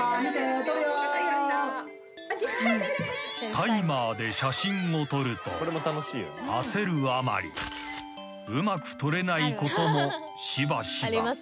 ［タイマーで写真を撮ると焦るあまりうまく撮れないこともしばしば］